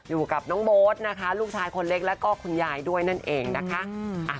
อยู่กับน้องโบ๊ทนะคะลูกชายคนเล็กแล้วก็คุณยายด้วยนั่นเองนะคะ